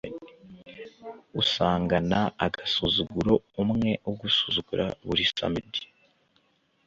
usangana agasuzuguro umwe ugusura buri samedi